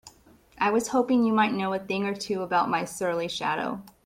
I was hoping you might know a thing or two about my surly shadow?